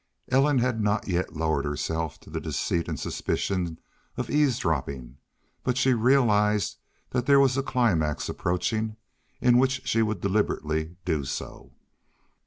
Ellen had not yet lowered herself to the deceit and suspicion of eavesdropping, but she realized that there was a climax approaching in which she would deliberately do so.